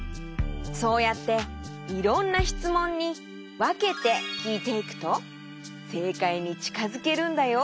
そうやっていろんなしつもんにわけてきいていくとせいかいにちかづけるんだよ。